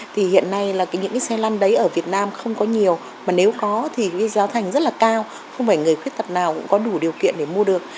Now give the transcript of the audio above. thì hiện nay là những cái xe lăn đấy ở việt nam không có nhiều mà nếu có thì giá thành rất là cao không phải người khuyết tật nào cũng có đủ điều kiện để mua được